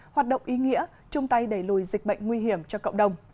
hoạt động ý nghĩa chung tay đẩy lùi dịch bệnh nguy hiểm cho cộng đồng